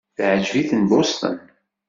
Teɛjeb-iten Boston.